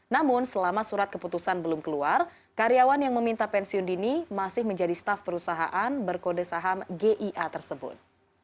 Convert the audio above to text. namun selama surat keputusan belum keluar karyawan yang meminta pensiun dini masih menjadi staf perusahaan berkode saham gia tersebut